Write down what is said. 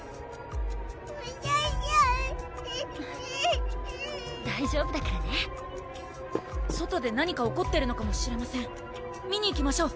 うしゃしゃん大丈夫だからね外で何か起こってるのかもしれません見に行きましょう！